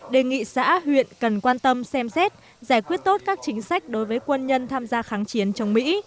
đề nghị xã huyện cần quan tâm xem xét giải quyết tốt các chính sách đối với quân nhân tham gia kháng chiến trong mỹ